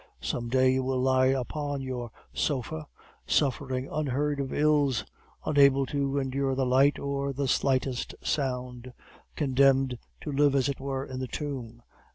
Some day you will lie upon your sofa suffering unheard of ills, unable to endure the light or the slightest sound, condemned to live as it were in the tomb.